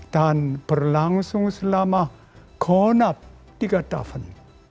dan berlangsung selama konap tiga tahun